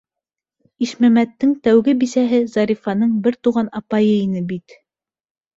Ишмәмәттең тәүге бисәһе Зарифаның бер туған апайы ине бит.